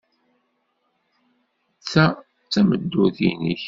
Ta d tameddurt-nnek.